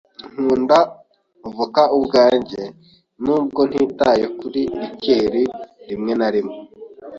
Nkunda vodka ubwanjye, nubwo ntitaye kuri liqueur rimwe na rimwe.